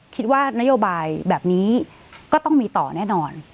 คิดว่านโยบายแบบนี้ก็ต้องมีต่อแน่นอน